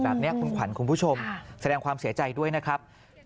แบบนี้คุณขวัญคุณผู้ชมแสดงความเสียใจด้วยนะครับ